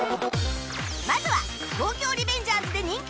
まずは『東京リベンジャーズ』で人気